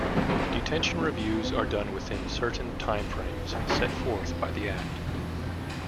Detention reviews are done within certain time frames, set forth by the Act.